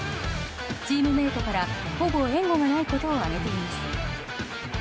チームメートからほぼ援護がないことを挙げています。